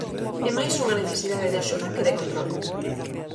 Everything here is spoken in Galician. É mais unha necesidade de axuda que de control.